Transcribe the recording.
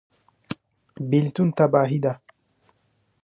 بیلتون تباهي ده